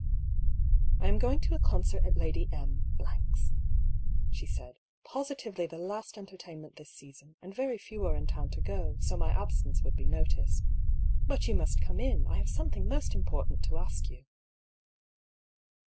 "I am going to a concert at Lady M ^'s," she said; ^'positively the last entertainment this season, and yery few are in town to go, so my absence would be noticed. But you must come in ; I haye something most important to ask you."